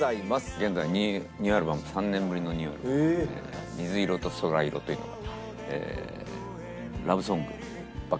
現在ニューアルバム３年ぶりのニューアルバム『水色と空色』というのがラブソングばっかり１２曲。